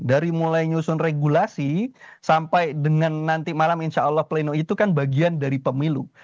dari mulai nyusun regulasi sampai dengan nanti malam insya allah pleno itu kan bagian dari pemilu